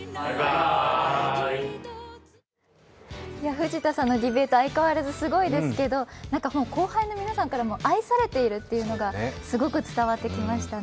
藤田さんのディベート相変わらずすごいですけど後輩の皆さんからも愛されてるっていうのが伝わってきましたね。